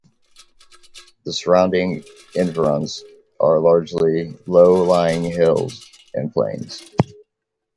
The surrounding environs are largely low-lying hills and plains.